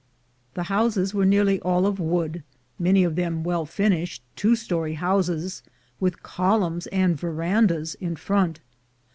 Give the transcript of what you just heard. The houses were nearly all of wood, many of them well finished two story houses, with columns and verandas in front.